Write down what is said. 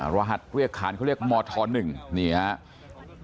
รหัสเรียกขานเขาเรียกมธ๑นี่ครับ